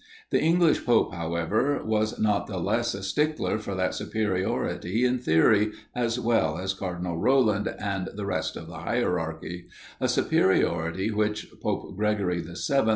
The English pope, however, was not the less a stickler for that superiority in theory, as well as Cardinal Roland and the rest of the hierarchy; a superiority which Pope Gregory VII.